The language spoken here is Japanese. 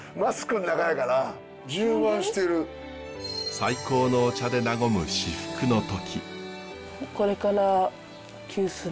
最高のお茶で和む至福の時。